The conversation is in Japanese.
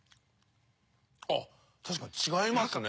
あっ確かに違いますね！